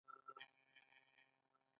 د افغانستان انټرنیټ کوډ څه دی؟